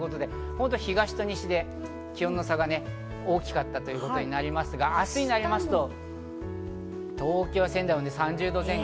東と西で気温の差が大きかったということになりますが、明日になりますと、東京や仙台も３０度前後。